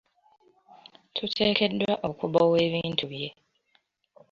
Tuteekeddwa okubowa ebintu bye.